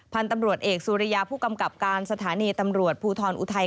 พันธุ์ตำรวจเอกสุริยาผู้กำกับการสถานีตำรวจภูทรอุทัย